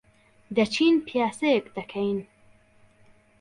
دەچین پیاسەیەک دەکەین.